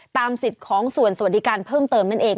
สิทธิ์ของส่วนสวัสดิการเพิ่มเติมนั่นเอง